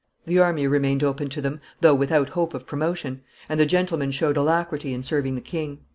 The army remained open to them, though without hope of promotion; and the gentlemen showed alacrity in serving the king.